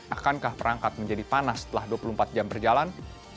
akankah perangkat menjadi panas setelah dua puluh empat jam berjalan